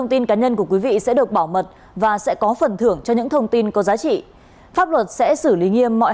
xin chào và hẹn gặp lại